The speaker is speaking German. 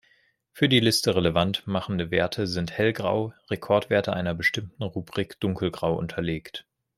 Für die Liste relevant machende Werte sind hellgrau, Rekordwerte einer bestimmten Rubrik dunkelgrau unterlegt.